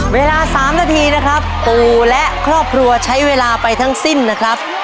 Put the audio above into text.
เวลา๓นาทีนะครับปู่และครอบครัวใช้เวลาไปทั้งสิ้นนะครับ